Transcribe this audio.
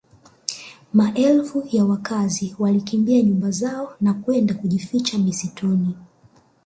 Maelfu ya wakazi walikimbia nyumba zao na kwenda kujificha msituni